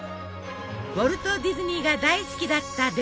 ウォルト・ディズニーが大好きだったレモンパイ。